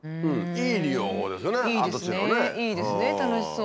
いいですね楽しそう。